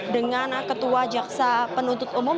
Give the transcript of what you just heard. dengan ketua jaksa penuntut umum